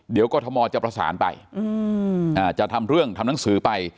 เดี๋ยวกรทมจะประสานไปจะทำเรื่องทำหนังสือไป